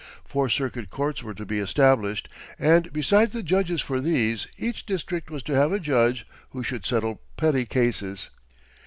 Four circuit courts were to be established, and besides the judges for these, each district was to have a judge who should settle petty cases.